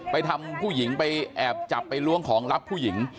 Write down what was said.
ไปทำผู้หญิงไปแอบจับไปล้วงของรับผู้หญิง